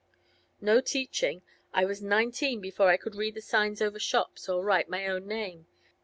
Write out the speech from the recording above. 'No teaching. I was nineteen before I could read the signs over shops, or write my own name.